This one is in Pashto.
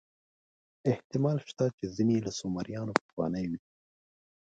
احتمال شته چې ځینې له سومریانو پخواني وي.